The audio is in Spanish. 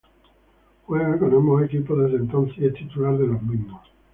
Juega con ambos equipos desde entonces y es titular de los mismos.